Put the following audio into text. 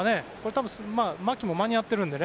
多分、牧も間に合っていたので。